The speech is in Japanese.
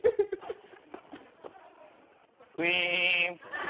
ウィーン。